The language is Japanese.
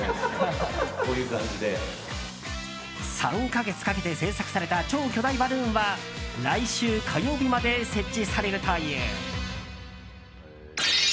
３か月かけて制作された超巨大バルーンは来週火曜日まで設置されるという。